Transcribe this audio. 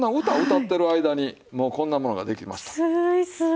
歌歌ってる間にもうこんなものができました。